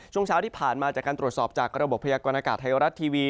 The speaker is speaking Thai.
ช่วงเช้าที่ผ่านมาจากการตรวจสอบจากระบบพยากรณากาศไทยรัฐทีวี